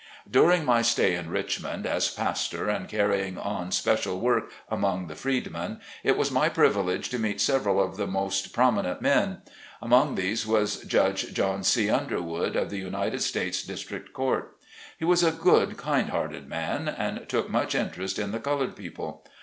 During my stay in Richmond as pastor and carry ing on special work among the freedmen, it was my privilege to meet several of the most prom inent men. Among these was Judge John C. Underwood, of the United States District Court. He was a good, kind hearted man, and took much interest in the colored people.